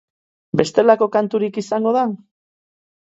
Bestelako kanturik izango da?